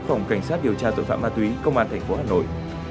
phòng cảnh sát điều tra tội phạm ma túy công an tp hà nội